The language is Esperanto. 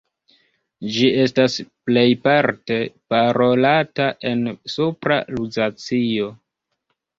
Ĝi estas plejparte parolata en Supra Luzacio.